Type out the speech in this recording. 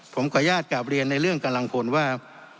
ผมขออนุญาตกลับเรียนในเรื่องกำลังพลว่า